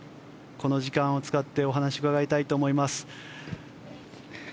この時間を使ってお話を伺いたいと思います。